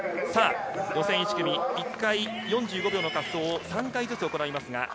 予選１組、１回４５秒の滑走を３回ずつ行います。